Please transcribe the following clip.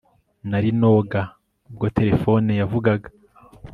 Nari noga ubwo terefone yavugaga